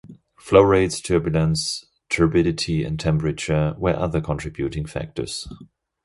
Flow rates, turbulence, turbidity and temperature were other contributing factors.